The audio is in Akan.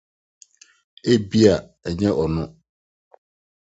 Ebia ɛnyɛ ɔno.